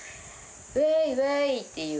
わーい、わーいっていう、